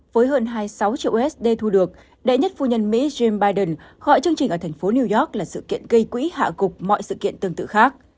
với hơn hai mươi sáu triệu usd thu được đại nhất phu nhân mỹ joe biden gọi chương trình ở thành phố new york là sự kiện gây quỹ hạ gục mọi sự kiện tương tự khác